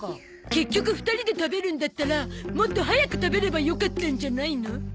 結局２人で食べるんだったらもっと早く食べればよかったんじゃないの？